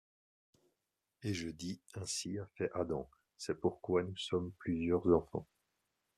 Et je dis, ainsi a fait Adam, c'est pourquoi nous sommes plusieurs enfants.